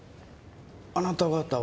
あなた方は？